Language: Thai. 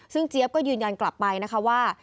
ซึ่งเจี๊ยบก็ยืนยันกลับไปนะคะว่า